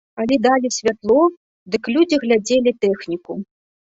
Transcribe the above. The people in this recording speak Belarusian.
Калі далі святло, дык людзі глядзелі тэхніку.